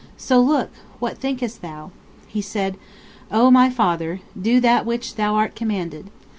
So look, what thinkest thou? He said: O my father! Do that which thou art commanded.